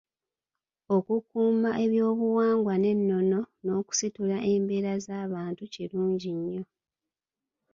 Okukuuma ebyobuwangwa n’ennono n'okusitula embeera z’abantu kirungi nnyo.